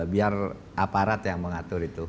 biar aparat yang mengatur itu